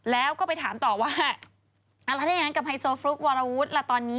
แล้วก็ไปถามต่อว่าแล้วถ้าอย่างนั้นกับไฮโซฟลุกวารวุฒิล่ะตอนนี้